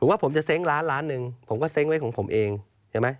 ว่าผมจะเซ้งล้านล้านหนึ่งผมก็เซ้งไว้ของผมเองใช่ไหม